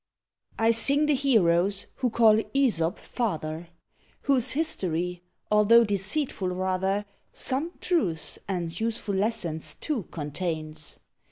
I sing the heroes who call Æsop father, Whose history, although deceitful rather, Some truths and useful lessons, too, contains.